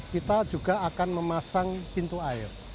kita juga akan memasang pintu air